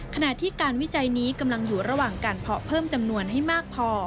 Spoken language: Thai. ขณะที่การวิจัยนี้กำลังอยู่ระหว่างการเพาะเพิ่มจำนวนให้มากพอ